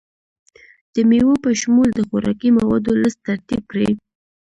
د میوو په شمول د خوراکي موادو لست ترتیب کړئ.